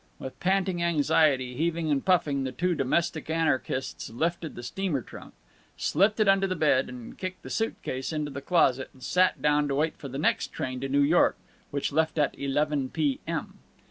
With panting anxiety, heaving and puffing, the two domestic anarchists lifted the steamer trunk, slipped it under the bed and kicked the suit case into the closet, and sat down to wait for the next train to New York, which left at eleven P. M.